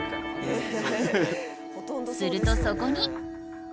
するとそこに。